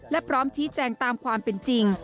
และพร้อมชี้แจงตามความเป็นจริง